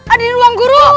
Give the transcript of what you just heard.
ada di ruang guru